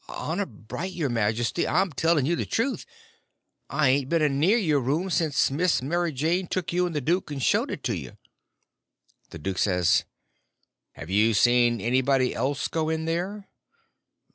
"Honor bright, your majesty, I'm telling you the truth. I hain't been a near your room since Miss Mary Jane took you and the duke and showed it to you." The duke says: "Have you seen anybody else go in there?"